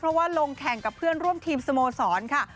เพราะว่าลงแข่งกับเพื่อนร่วมทีมสโมสรค่ะ